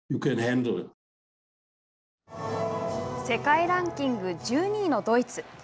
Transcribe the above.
世界ランキング１２位のドイツ。